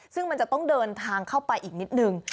ซึ่งมันจะต้องเดินทางเข้าไปอีกนิดนึง